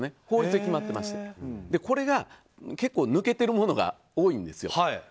法律で決まっていましてこれが結構抜けているものが多いんですよ。